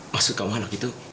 masuk kamu anak gitu